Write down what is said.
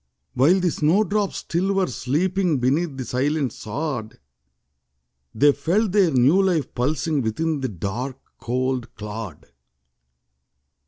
While the snow drops still were sleeping Beneath the silent sod; They felt their new life pulsing Within the dark, cold clod.